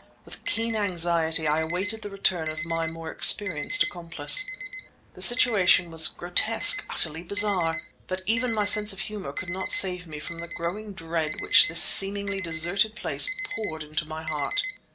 With keen anxiety I awaited the return of my more experienced accomplice. The situation was grotesque, utterly bizarre; but even my sense of humour could not save me from the growing dread which this seemingly deserted place poured into my heart.